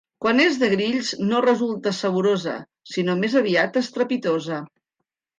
Quan és de grills no resulta saborosa, sinó més aviat estrepitosa.